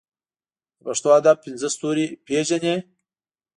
د پښتو ادب پنځه ستوري پېژنې.